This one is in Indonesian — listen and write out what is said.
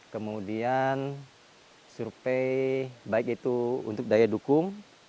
kemudian survei baik itu untuk daya dukung